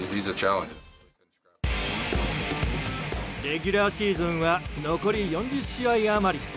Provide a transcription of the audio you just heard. レギュラーシーズンは残り４０試合余り。